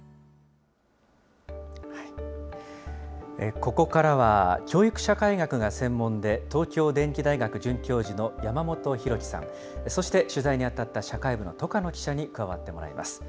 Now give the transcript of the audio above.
ここからは、教育社会学が専門で、東京電機大学准教授の山本宏樹さん、そして取材に当たった社会部の戸叶記者に加わってもらいます。